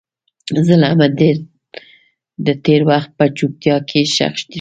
زړه مې د تېر وخت په چوپتیا کې ښخ شو.